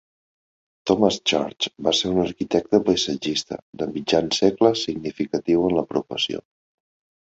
Thomas Church va ser un arquitecte paisatgista de mitjan segle significatiu en la professió.